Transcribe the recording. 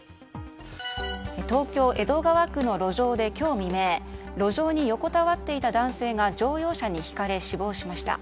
東京・江戸川区の路上で今日未明路上に横たわっていた男性が乗用車にひかれ死亡しました。